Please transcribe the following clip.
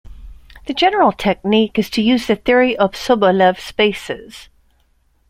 The general technique is to use the theory of Sobolev spaces.